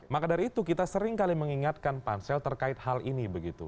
maka dari itu kita seringkali mengingatkan pansel terkait hal ini begitu